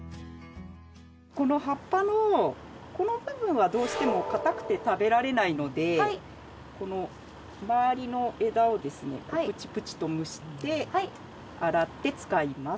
この葉っぱのこの部分はどうしても硬くて食べられないので周りの枝をですねプチプチとむしって洗って使います。